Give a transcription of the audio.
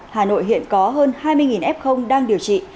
hà nội hiện có hơn hai mươi f đang điều trị